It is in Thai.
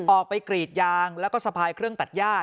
ออกไปกรีดยางแล้วก็สะพายเครื่องตัดย่า